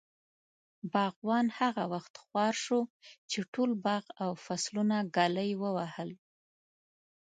باغوان هغه وخت خوار شو، چې ټول باغ او فصلونه ږلۍ ووهل.